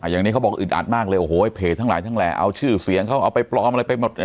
อย่างนี้เขาบอกอึดอัดมากเลยโอ้โหเพจทั้งหลายทั้งแหล่เอาชื่อเสียงเขาเอาไปปลอมอะไรไปหมด